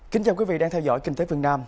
kính chào quý vị đang theo dõi kinh tế phương nam